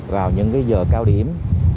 vào những giờ cao điểm